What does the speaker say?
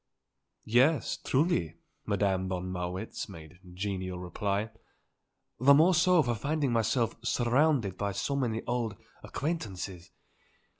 "Yes; truly," Madame von Marwitz made genial reply. "The more so for finding myself surrounded by so many old acquaintances.